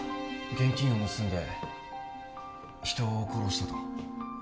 現金を盗んで人を殺したと。